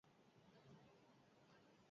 Antzerkiak ere lana ematen du.